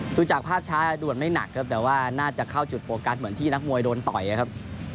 จากภาพช้าด่วนไม่หนักครับแต่ว่าน่าจะเข้าจุดโฟกัสเหมือนที่นักมวยโดนต่อยครับ